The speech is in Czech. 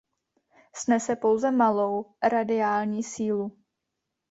Snese pouze malou radiální sílu.